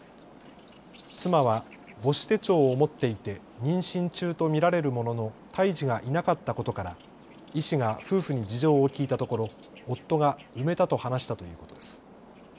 妻は母子手帳を持っていて妊娠中と見られるものの胎児がいなかったことから医師が夫婦に事情を聞いたところ、夫が埋めたと話したということです。